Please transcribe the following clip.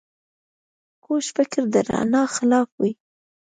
کوږ فکر د رڼا خلاف وي